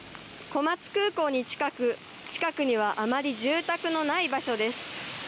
小松空港に近く、近くにはあまり住宅のない場所です。